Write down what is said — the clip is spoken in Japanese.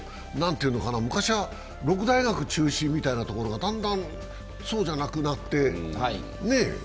昔は六大学中心みたいなところがだんだん、そうじゃなくなって。